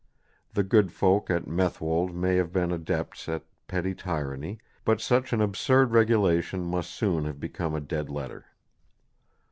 The good folk at Methwold may have been adepts at petty tyranny, but such an absurd regulation must soon have become a dead letter.